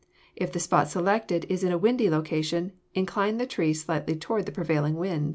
If the spot selected is in a windy location, incline the tree slightly toward the prevailing wind.